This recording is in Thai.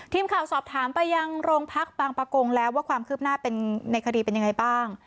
ทีมข่าวสอบถามไปยังโรงพักบางประกงแล้วว่าความคืบหน้าเป็นในคดีเป็นยังไงบ้าง